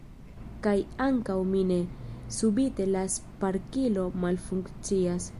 Kaj ankaŭ mi ne, subite la sparkilo malfunkcias.